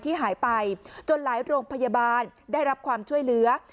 หายไปจนหลายโรงพยาบาลได้รับความช่วยเหลือ